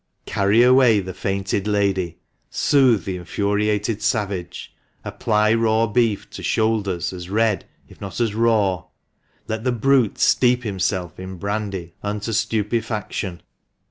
Carry away the fainting lady — soothe the infuriated savage — apply raw beef to shoulders as red, if not as raw — let the brute steep himself in brandy unto stupefaction.